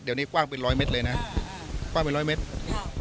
เดี๋ยวนี้กว้างเป็นร้อยเมตรเลยนะกว้างเป็นร้อยเมตรค่ะ